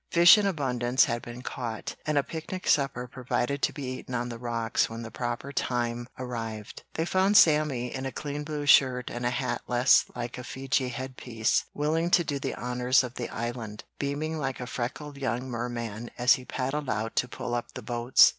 Fish in abundance had been caught, and a picnic supper provided to be eaten on the rocks when the proper time arrived. They found Sammy, in a clean blue shirt and a hat less like a Feejee headpiece, willing to do the honors of the Island, beaming like a freckled young merman as he paddled out to pull up the boats.